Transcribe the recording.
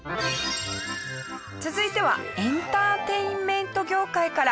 続いてはエンターテインメント業界から。